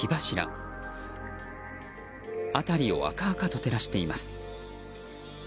辺りを赤々と照らしています。